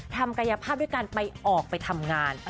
ทำกายภาพด้วยการไปออกไปทำงาน